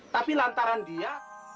tapi lantaran dia